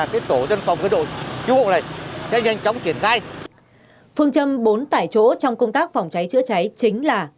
phương châm bốn tại chỗ trong công tác phòng cháy chữa cháy chính là